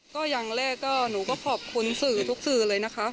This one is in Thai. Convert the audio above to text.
ก็อย่างแรกก็หนูก็ขอบคุณสื่อทุกสื่อเลยนะคะ